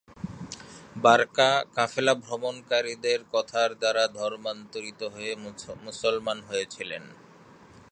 বারকা কাফেলা ভ্রমণকারীদের কথার দ্বারা ধর্মান্তরিত হয়ে মুসলমান হয়েছিলেন।